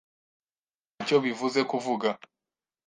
Ntacyo bivuze kuvuga.